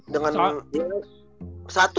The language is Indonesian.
dengan satu ya begitu